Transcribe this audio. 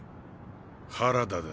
原田だ。